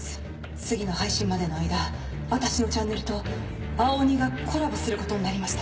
次の配信までの間私のチャンネルと青鬼がコラボすることになりました。